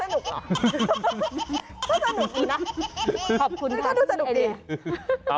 ไม่สนุกอีกนะขอบคุณค่ะ